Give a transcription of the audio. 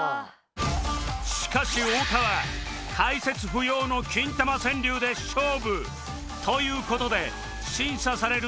しかし太田は解説不要のキンタマ川柳で勝負という事で審査される